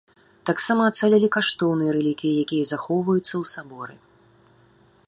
Таксама ацалелі каштоўныя рэліквіі, якія захоўваюцца ў саборы.